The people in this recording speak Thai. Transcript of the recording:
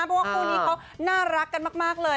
เพราะว่าคู่นี้เขาน่ารักกันมากเลย